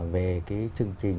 về cái chương trình